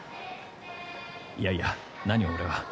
いやいや何を俺は。